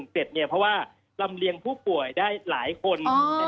เพราะว่าลำเลียงผู้ป่วยได้หลายคน